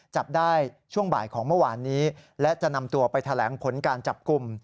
จับได้ช่วงบ่ายของเมื่อวานนี้และจะนำตัวไปแถลงผลการจับกลุ่ม